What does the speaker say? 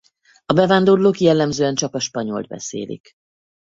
A bevándorlók jellemzően csak a spanyolt beszélik.